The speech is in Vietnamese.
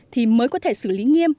thì mới có thể xử lý nghiêm